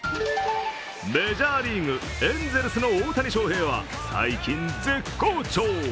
メジャーリーグエンゼルスの大谷翔平は最近、絶好調。